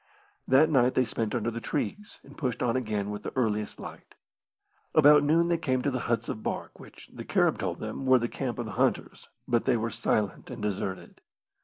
That night they spent under the trees, and pushed on again with the earliest light. About noon they came to the huts of bark, which, the Carib told them, were the camp of the hunters, but they were silent and deserted.